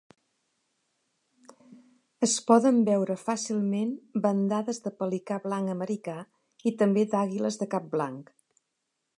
Es poden veure fàcilment bandades de pelicà blanc americà i també d'àguiles de cap blanc.